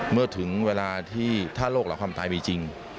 เมื่อถึงเวลาที่ถ้าโรคหลังความตายมีจริง